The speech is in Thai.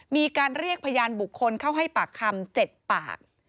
มีการเรียกพยานบุคคลเข้าให้ปากคำ๗ปาก